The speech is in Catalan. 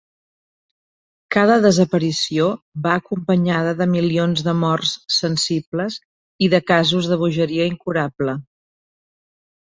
Cada desaparició va acompanyada de milions de morts sensibles i de casos de bogeria incurable.